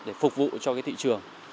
để phục vụ cho cái thị trường